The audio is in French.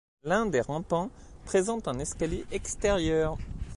L'un des rampants présente un escalier extérieur.